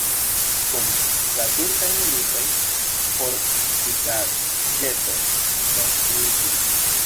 Dum la turkaj militoj fortikaĵeto konstruiĝis.